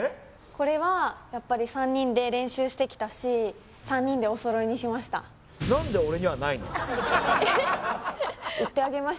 これはやっぱり３人で練習してきたし３人でお揃いにしましたさあ２番手玉木碧１巡